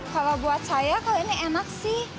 kalau buat saya kalau ini enak sih